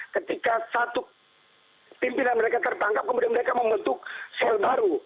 ketika satu pimpinan mereka tertangkap kemudian mereka membentuk sel baru